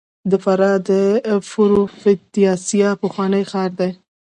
د فراه پروفتاسیا پخوانی ښار دی